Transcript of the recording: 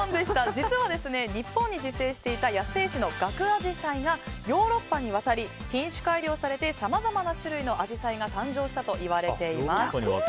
実は日本に自生していた野生種のガクアジサイがヨーロッパに渡り品種改良されてさまざまな種類のアジサイが誕生したといわれています。